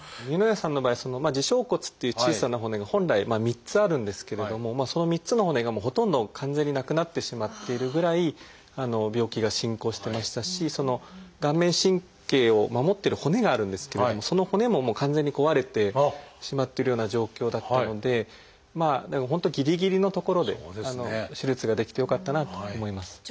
丹生谷さんの場合耳小骨っていう小さな骨が本来３つあるんですけれどもその３つの骨がもうほとんど完全になくなってしまっているぐらい病気が進行してましたし顔面神経を守ってる骨があるんですけれどもその骨ももう完全に壊れてしまってるような状況だったのでだから本当ぎりぎりのところで手術ができてよかったなと思います。